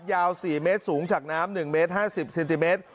ยาวสี่เมตรสูงจากน้ำหนึ่งเมตรห้าสิบเซนติเมตร